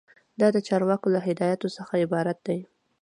دا د چارواکو له هدایاتو څخه عبارت دی.